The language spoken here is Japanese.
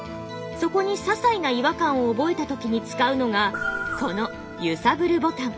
そこにささいな違和感を覚えた時に使うのがこの「ゆさぶる」ボタン。